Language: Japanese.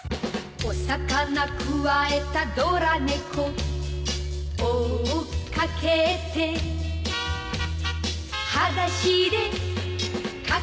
「お魚くわえたドラ猫」「追っかけて」「はだしでかけてく」